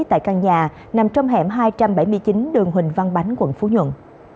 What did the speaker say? tại căn nhà nằm trong hẻm hai trăm bảy mươi chín đường huỳnh văn bánh quận phú nhuận